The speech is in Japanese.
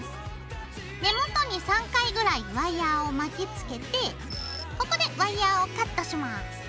根元に３回ぐらいワイヤーを巻きつけてここでワイヤーをカットします。